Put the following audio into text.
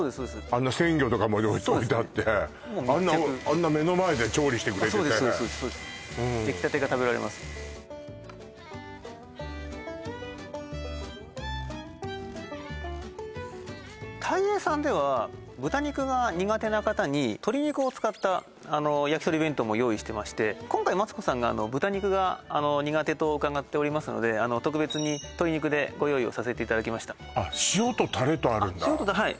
あんな鮮魚とかまで置いてあってあんな目の前で調理してくれててそうですそうですできたてが食べられますタイエーさんでは豚肉が苦手な方に鶏肉を使ったやきとり弁当も用意してまして今回マツコさんが豚肉が苦手と伺っておりますので特別に鶏肉でご用意をさせていただきましたあっ塩とタレとあるんだはい